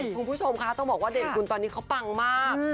คุณผู้ชมคะต้องบอกว่าเด่นคุณตอนนี้เขาปังมาก